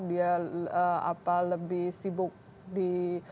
dia lebih sibuk di